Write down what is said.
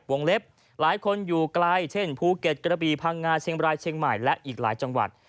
เล็บหลายคนอยู่ไกลเช่นภูเก็ตกระบีพังงาเชียงบรายเชียงใหม่และอีกหลายจังหวัด